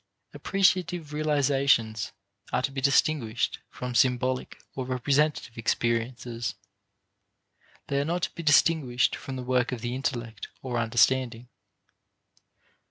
Appreciative realizations are to be distinguished from symbolic or representative experiences. They are not to be distinguished from the work of the intellect or understanding.